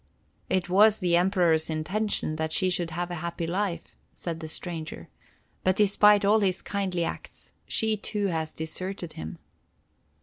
"It was the Emperor's intention that she should have a happy life," said the stranger. "But, despite all his kindly acts, she too has deserted him."